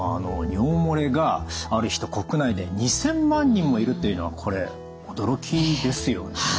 尿漏れがある人国内で２，０００万人もいるっていうのはこれ驚きですよね。